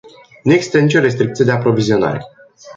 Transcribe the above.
Nu există nicio restricție de aprovizionare.